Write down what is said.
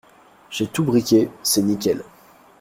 J’ai tout briqué, c’est nickel.